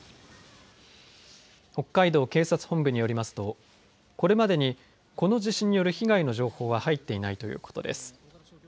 北海道警察本部によりますとこれまでに、この地震による被害の情報は入っていないということです。